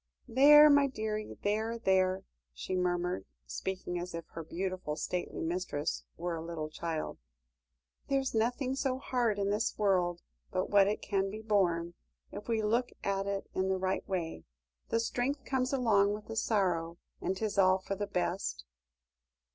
"There, my dearie, there there," she murmured, speaking as if her beautiful, stately mistress were a little child; "there's nothing so hard in this world but what it can be borne, if we look at it in the right way. The strength comes along with the sorrow, and 'tis all for the best."